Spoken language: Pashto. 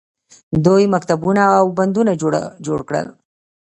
دوی مکتبونه او بندونه جوړ کړل.